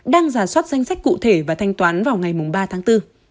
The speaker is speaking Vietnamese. đang giả soát danh sách cụ thể và thanh toán vào ngày ba tháng bốn